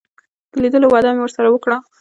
د لیدلو وعده مې ورسره وکړه.